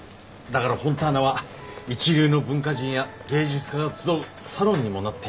だからフォンターナは一流の文化人や芸術家が集うサロンにもなっています。